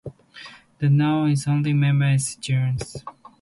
The kowari is the only member of its genus.